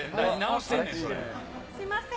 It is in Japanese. すみません。